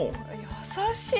優しい。